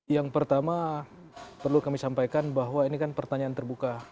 yang pertama perlu kami sampaikan bahwa ini kan pertanyaan terbuka